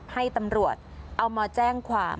ให้ตำรวจเอามาแจ้งความ